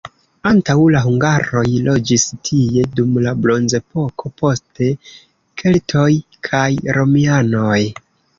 Antaŭ la hungaroj loĝis tie dum la bronzepoko, poste keltoj kaj romianoj.